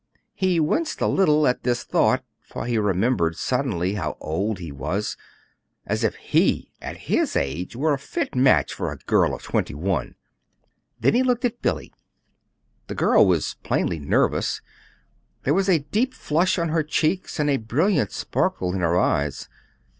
He winced a little at this thought, for he remembered suddenly how old he was as if he, at his age, were a fit match for a girl of twenty one! And then he looked at Billy. The girl was plainly nervous. There was a deep flush on her cheeks and a brilliant sparkle in her eyes.